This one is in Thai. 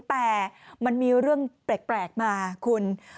แต่มันมีเรื่องแปลกมาคุณ